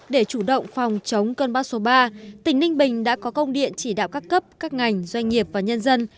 để chủ động phòng chống cơn bão số ba tỉnh ninh bình đã có công điện chỉ đạo các cấp các ngành doanh nghiệp và nhân dân